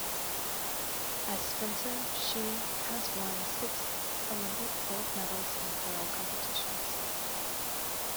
As fencer she has won six Olympic gold medals in foil competitions.